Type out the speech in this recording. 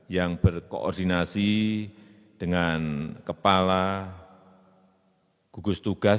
yang berkoordinasi dengan kementerian kesehatan dan kementerian kesehatan